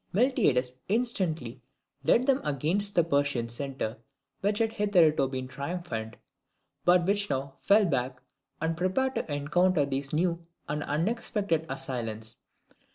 Miltiades instantly led them against the Persian centre, which had hitherto been triumphant, but which now fell back, and prepared to encounter these new and unexpected assailants.